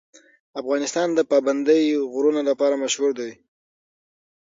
افغانستان د پابندی غرونه لپاره مشهور دی.